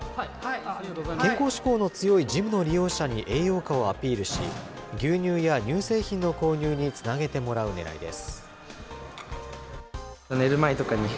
健康志向の強いジムの利用者に栄養価をアピールし、牛乳や乳製品の購入につなげてもらうねらいです。